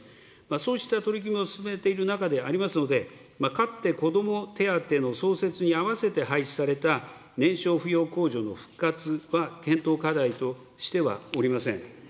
そうした取り組みを進めている中でありますので、かつて子ども手当の創設に合わせて廃止された年少扶養控除の復活は、検討課題としてはおりません。